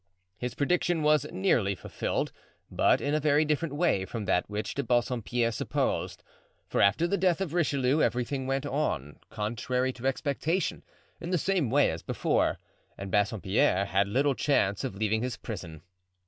His prediction was nearly fulfilled, but in a very different way from that which De Bassompierre supposed; for after the death of Richelieu everything went on, contrary to expectation, in the same way as before; and Bassompierre had little chance of leaving his prison.